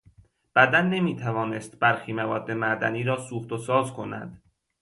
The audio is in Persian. بدن نمی تواند برخی مواد معدنی را سوخت و ساز کند.